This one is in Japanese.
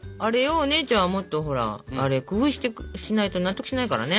お姉ちゃんはもっとほら工夫しないと納得しないからね。